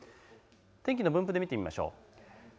天気の分布で見ていきましょう。